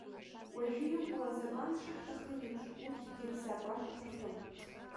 Уажәы иҟоу азакәан шаҳҭахым еиԥш, урҭгьы рзакәан ҳҭахым.